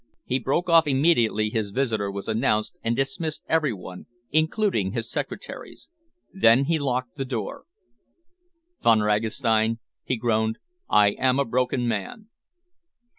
He broke off immediately his visitor was announced and dismissed every one, including his secretaries. Then he locked the door. "Von Ragastein," he groaned, "I am a broken man!"